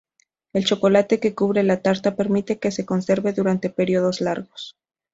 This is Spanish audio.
El chocolate que cubre la tarta permite que se conserve durante períodos largos.